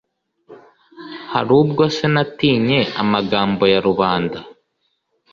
hari ubwo se natinye amagambo ya rubanda